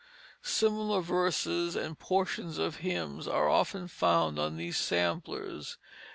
Similar verses, and portions of hymns, are often found on these samplers.